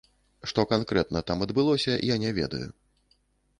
Што канкрэтна там адбылося, я не ведаю.